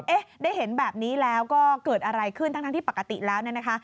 เอ๊ะได้เห็นแบบนี้แล้วก็เกิดอะไรขึ้นทั้งที่ปกติแล้วเนี่ยนะคะ